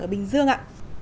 ở bình dương ạ